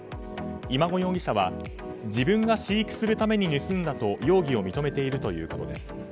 今後容疑者は自分が飼育するために盗んだと容疑を認めているということです。